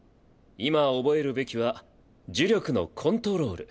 今覚えるべきは呪力のコントロール。